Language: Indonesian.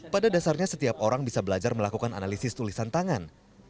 pada dasarnya setiap orang bisa belajar melakukan analisis tulisan tangan